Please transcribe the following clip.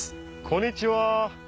こんにちは。